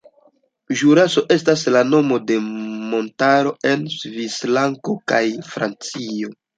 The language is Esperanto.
Ĵuraso estas la nomo de montaro en Svislando kaj Francio.